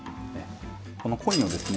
このコインをですね